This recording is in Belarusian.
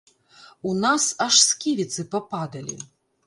У нас аж сківіцы пападалі.